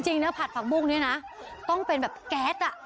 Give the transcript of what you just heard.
จริงเนี่ยผัดผักบุ้งนี้นะต้องเป็นแบบแก๊ส